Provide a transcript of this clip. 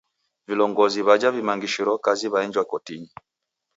Vilongozi w'aja w'imangishiro kazi waenjwa kotinyi.